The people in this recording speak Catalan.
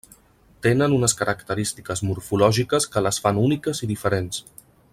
Tenen unes característiques morfològiques que les fan úniques i diferents.